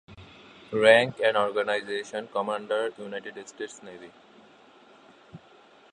Rank and organization: Commander, United States Navy.